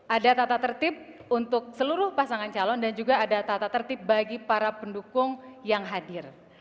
ada tata tertib untuk seluruh pasangan calon dan juga ada tata tertib bagi para pendukung yang hadir